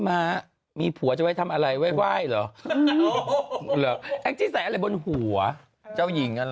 ไหนอ่ะเป็นวันที่แบบว่า๓วันที่แสบแล้วไอนะ